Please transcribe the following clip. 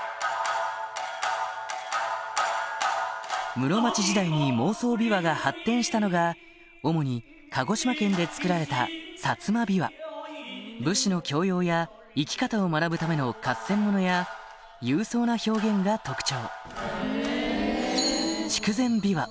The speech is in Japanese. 室町時代に盲僧琵琶が発展したのが主に鹿児島県で作られた薩摩琵琶武士の教養や生き方を学ぶための合戦ものや勇壮な表現が特徴